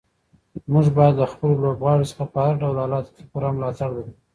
موږ باید له خپلو لوبغاړو څخه په هر ډول حالاتو کې پوره ملاتړ وکړو.